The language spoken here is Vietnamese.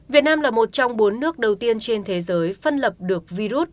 việt nam là một trong bốn nước đầu tiên trên thế giới phân lập được virus